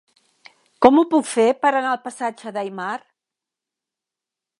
Com ho puc fer per anar al passatge d'Aymar?